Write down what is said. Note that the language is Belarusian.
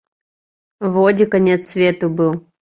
Во дзе канец свету быў!